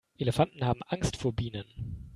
Elefanten haben Angst vor Bienen.